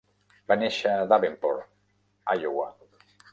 Va néixer a Davenport, Iowa.